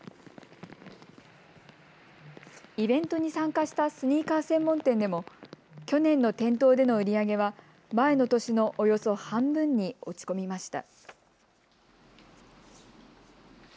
イベントに参加したスニーカー専門店でも去年の店頭での売り上げは前の年のおよそ半分に落ち込みました。